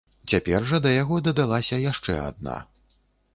Цяпер жа да яго дадалася яшчэ адна.